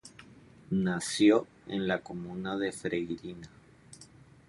Nació en la comuna de Freirina.